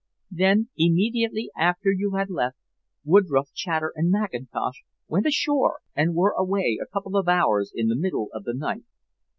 Then immediately after you had left, Woodroffe, Chater and Mackintosh went ashore and were away a couple of hours in the middle of the night.